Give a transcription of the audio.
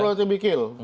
tidak bisa dibunuh